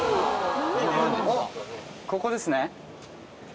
ここですね。